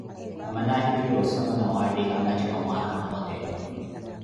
Amana ahijuwi osoma na waatikha nkatti wa mwaakha mmote